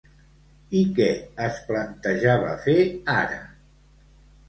I què es plantejava fer ara?